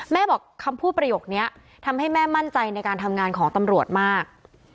แม่บอกคำพูดประโยคนี้ทำให้แม่มั่นใจในการทำงานของตำรวจมาก